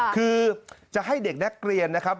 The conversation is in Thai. คือจะให้เด็กนักเรียนนะครับ